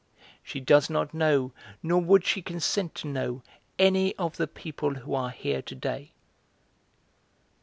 She does not know, nor would she consent to know, any of the people who are here to day."